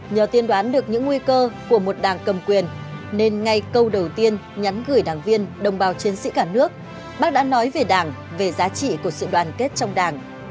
nhờ tiên đoán được những nguy cơ của một đảng cầm quyền nên ngay câu đầu tiên nhắn gửi đảng viên đồng bào chiến sĩ cả nước bác đã nói về đảng về giá trị của sự đoàn kết trong đảng